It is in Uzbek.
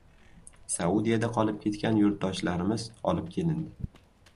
Saudiyada qolib ketgan yurtdoshlarimiz olib kelindi